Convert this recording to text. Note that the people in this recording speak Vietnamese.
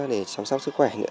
để chăm sóc sức khỏe nữa